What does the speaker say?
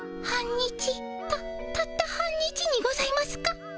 たたった半日にございますか？